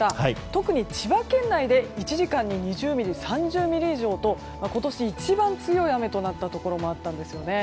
特に千葉県内で１時間に２０ミリ、３０ミリ以上と今年一番強い雨となったところもあったんですね。